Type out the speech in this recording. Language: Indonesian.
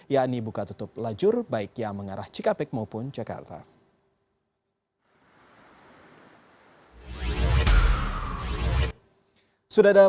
yakni buka tutup lajur baik yang mengarah cikampek maupun jakarta